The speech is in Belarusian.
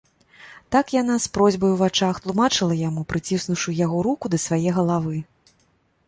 Так яна, з просьбай у вачах, тлумачыла яму, прыціснуўшы яго руку да свае галавы.